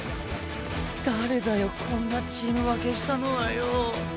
誰だよこんなチーム分けしたのはよ。